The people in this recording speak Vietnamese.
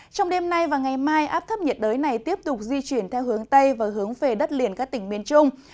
trong đêm nay và ngày mai áp thấp nhiệt đới này tiếp tục di chuyển theo hướng tây và hướng về đất liền các tỉnh miền trung